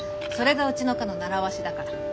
それがうちの課の習わしだから。